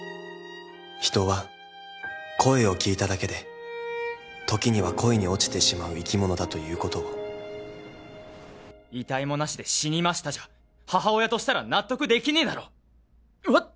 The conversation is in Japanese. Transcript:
人は声を聞いただけで時には恋に落ちてしまう生き物だということを遺体もなしで死にましたじゃ母親としたら納得できねえだろうわっ